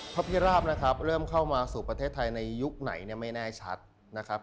พระพิราบนะครับเริ่มเข้ามาสู่ประเทศไทยในยุคไหนเนี่ยไม่แน่ชัดนะครับ